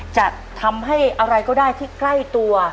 จะทำให้อะไรก็ได้ที่ใกล้ตัว